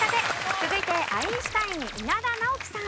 続いてアインシュタイン稲田直樹さん。